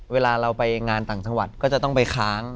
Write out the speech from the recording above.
เวลาเราไปงานต่างจังหวัดก็จะต้องไปค้าง